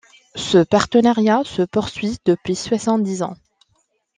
Ce partenariat se poursuit depuis soixante-dix ans.